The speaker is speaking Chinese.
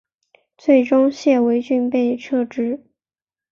最终谢维俊被撤职。